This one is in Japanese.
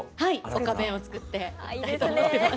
丘弁を作って行きたいと思ってます。